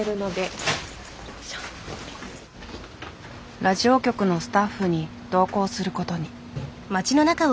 ラジオ局のスタッフに同行することに。